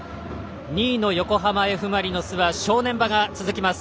２位の横浜Ｆ・マリノスは正念場が続きます。